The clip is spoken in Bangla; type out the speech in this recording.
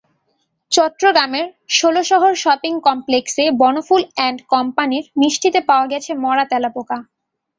চট্টগ্রামের ষোলশহর শপিং কমপ্লেক্সে বনফুল অ্যান্ড কোম্পানির মিষ্টিতে পাওয়া গেছে মরা তেলাপোকা।